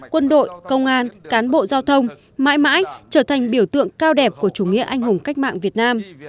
quân đội công an cán bộ giao thông mãi mãi trở thành biểu tượng cao đẹp của chủ nghĩa anh hùng cách mạng việt nam